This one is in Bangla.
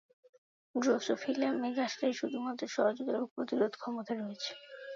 ড্রসোফিলা মেলানোগাস্টারের শুধুমাত্র সহজাত রোগ প্রতিরোধ ক্ষমতা রয়েছে।